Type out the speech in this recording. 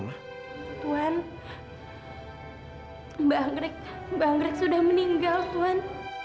mbak anggrek mbak anggrek sudah meninggal tuan